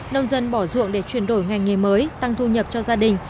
nông dân bỏ ruộng để chuyển đổi ngành nghề mới tăng thu nhập cho gia đình